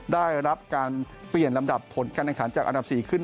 ได้รับการเปลี่ยนลำดับผลการแข่งขันจากอันดับ๔ขึ้น